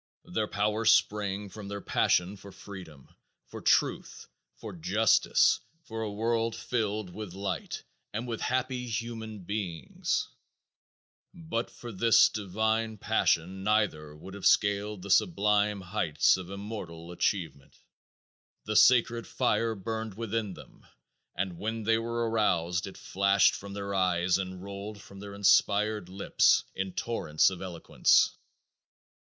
Their power sprang from their passion for freedom, for truth, for justice, for a world filled with light and with happy human beings. But for this divine passion neither would have scaled the sublime heights of immortal achievement. The sacred fire burned within them and when they were aroused it flashed from their eyes and rolled from their inspired lips in torrents of eloquence.